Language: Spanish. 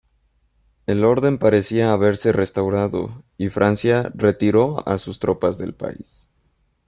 El orden parecía haberse restaurado, y Francia retiró a sus tropas del país.